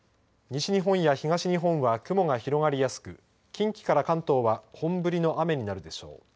西日本や東日本は雲が広がりやすく近畿から関東は本降りの雨になるでしょう。